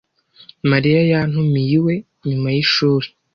Mariya yantumiye iwe nyuma yishuri.